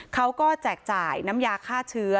แจกจ่ายน้ำยาฆ่าเชื้อ